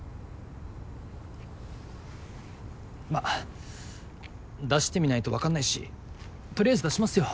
まあ出してみないとわかんないしとりあえず出しますよ